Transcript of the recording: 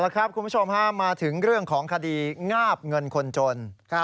คุณผู้ชมมาถึงเรื่องของคดีงาบเงินคนจน